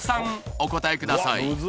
お答えください